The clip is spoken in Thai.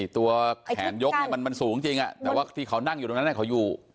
ตัวแขนยกมันสูงจริงแต่ว่าที่เขานั่งอยู่ตรงนั้นเขาอยู่